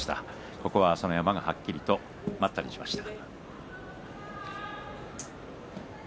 ここは朝乃山がはっきりと待ったをしました。